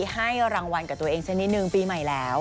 ให้รางวัลกับตัวเองสักนิดนึงปีใหม่แล้ว